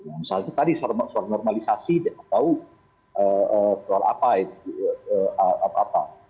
misalnya tadi soal normalisasi atau soal apa itu